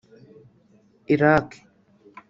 Iraq